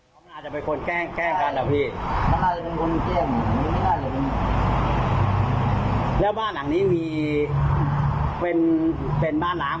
ถ้าเจอเป็นบ้านหลังนี้มีเจ้าของเข้ามาอยู่